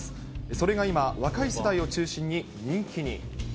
それが今、若い世代を中心に人気に。